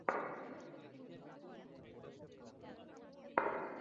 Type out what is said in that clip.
তিনি কবির আত্মার মাগফিরাত কামনা করে শোকসন্তপ্ত পরিবারের প্রতি সমবেদনা প্রকাশ করে।